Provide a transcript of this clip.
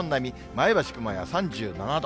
前橋、熊谷３７度。